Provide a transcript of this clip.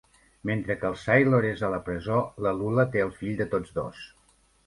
Mentre que el Sailor és a la presó, la Lula té el fill de tots dos.